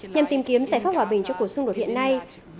nhằm tìm kiếm giải pháp hòa bình cho cuộc xung đột hiện nay